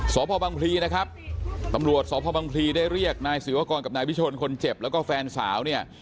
สพบังพลีนะครับตำรวจสพบังพลีได้เรียกนายศิวากรกับนายวิชนคนเจ็บแล้วก็แฟนสาวเนี่ย